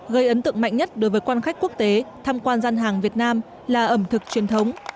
gây ấn tượng mạnh nhất đối với quan khách quốc tế tham quan gian hàng việt nam là ẩm thực truyền thống